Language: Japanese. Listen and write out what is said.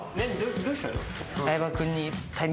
どうしたの？